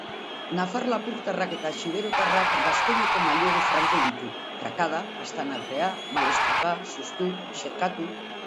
Nafar-lapurtarrak eta xiberotarrak gaskoineko mailegu franko ditu: "krakada", "pastanagrea", "malestruka", "sustut", "xerkatu"...